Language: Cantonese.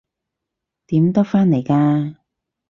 點得返嚟㗎？